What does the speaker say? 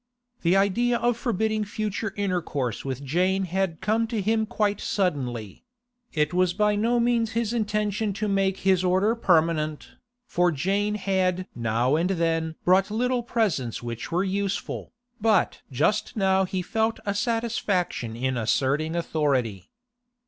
The idea of forbidding future intercourse with Jane had come to him quite suddenly; it was by no means his intention to make his order permanent, for Jane had now and then brought little presents which were useful, but just now he felt a satisfaction in asserting authority.